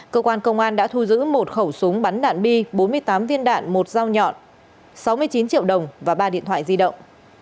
cơ quan công an đã thu giữ một khẩu súng bắn đạn bi bốn mươi tám viên đạn một dao nhọn sáu mươi chín triệu đồng và ba điện thoại di động